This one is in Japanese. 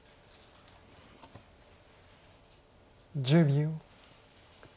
１０秒。